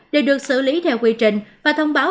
đều được xử lý theo quy trình và thông báo